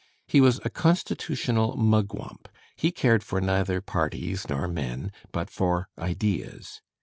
He was a constitutional "Mugwump": he cared for neither parties nor men, but for ideas.